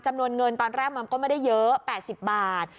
จำนวนเงินตอนแรกมันก็ไม่ได้เยอะ๘๐บาท